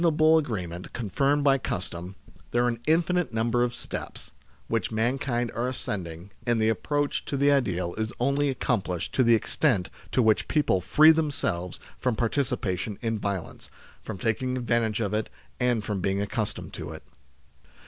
121 able agreement confirmed by custom, there are an infinite number of steps, which mankind are ascending, and the approach to the ideal is only accomplished to the extent to which people free themselves from participation in violence, from taking advantage of it, and from being accustomed to it.